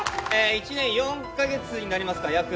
１年４か月になりますか約。